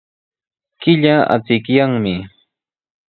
Killa achikyanmi.